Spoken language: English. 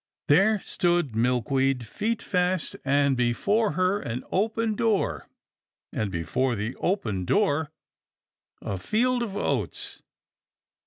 There stood Milkweed, feet fast, and before her an open door, and, before the open door, a field of oats.